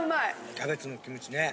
キャベツのキムチね。